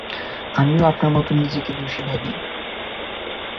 আমিও আপনার মত নিজেকে দোষী ভাবি।